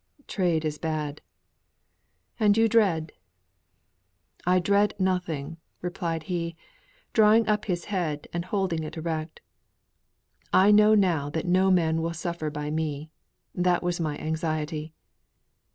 "Trade is bad." "And you dread " "I dread nothing," replied he, drawing up his head, and holding it erect. "I know that no man will suffer by me. That was my anxiety."